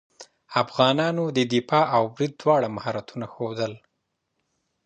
افغانانو د دفاع او برید دواړه مهارتونه ښودل.